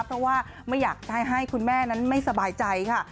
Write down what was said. เพราะว่าไม่อยากจะให้คุณแม่นั้นไม่สบายใจค่ะ